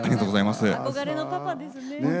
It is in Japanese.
憧れのパパですね。